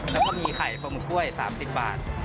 แล้วก็มีไข่ปลาหมึกกล้วย๓๐บาท